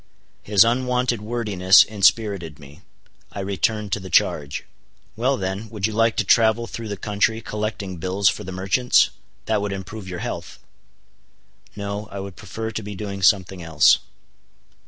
His unwonted wordiness inspirited me. I returned to the charge. "Well then, would you like to travel through the country collecting bills for the merchants? That would improve your health." "No, I would prefer to be doing something else."